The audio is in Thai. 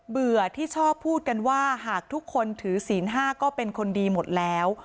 ื่อที่ชอบพูดกันว่าหากทุกคนถือศีล๕ก็เป็นคนดีหมดแล้ว